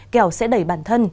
kẻo sẽ đẩy bản thân